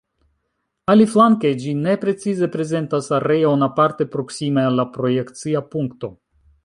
Aliflanke, ĝi ne precize prezentas areon, aparte proksime al la projekcia punkto.